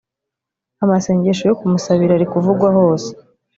amasengesho yo kumusabira ari kuvugwa hose